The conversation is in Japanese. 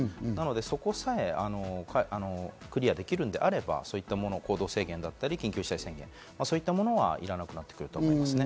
そこさえクリアできるのであれば、そういった行動制限や、緊急事態宣言、そういったものはいらなくなってくると思います。